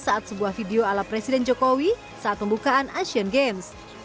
saat sebuah video ala presiden jokowi saat pembukaan asian games